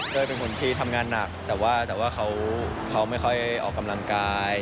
เป็นคนที่ทำงานหนักแต่ว่าเขาไม่ค่อยออกกำลังกาย